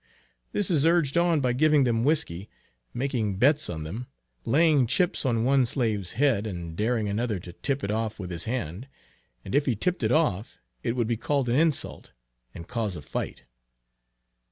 This is urged on by giving them whiskey; making bets on them; laying chips on one slave's head, and daring another to tip it off with his hand; and if he tipped it off, it would be called an insult, and cause a fight.